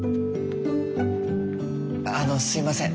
あのすみません。